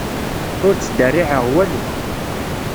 Ur ttderriɛeɣ walu.